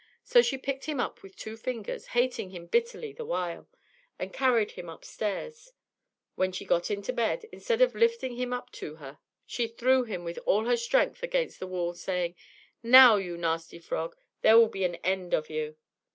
So she picked him up with two fingers, hating him bitterly the while, and carried him upstairs: but when she got into bed, instead of lifting him up to her, she threw him with all her strength against the wall, saying, "Now, you nasty frog, there will be an end of you."